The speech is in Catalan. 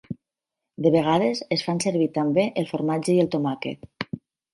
De vegades es fan servir també el formatge i el tomàquet.